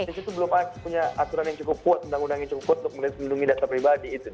dan itu belum ada aturan yang cukup kuat tentang undang undang yang cukup kuat untuk melindungi data pribadi